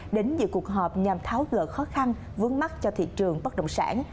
đến giữa cuộc họp nhằm tháo lỡ khó khăn vướng mắt cho thị trường bất động sản